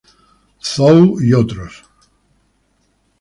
Zhou "et al.